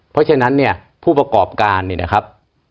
เพราะฉะนั้นเนี่ยผู้ประกอบการเนี่ยนะครับ